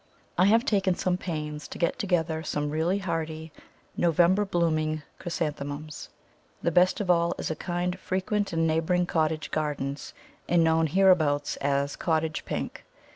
I have taken some pains to get together some really hardy November blooming Chrysanthemums. The best of all is a kind frequent in neighbouring cottage gardens, and known hereabouts as Cottage Pink.